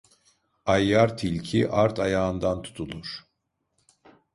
Ayyar tilki art ayağından tutulur.